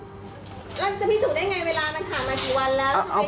แล้วจะพิสูจน์ได้ไงเวลามันผ่านมากี่วันแล้ว